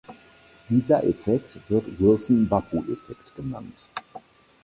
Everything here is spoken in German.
Dieser Effekt wird Wilson-Bappu-Effekt genannt.